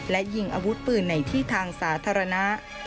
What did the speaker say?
และยิงอาวุธปืนในที่ทางสาธารณะ